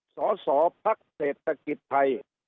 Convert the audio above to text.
สสพเศรษฐกิจภัย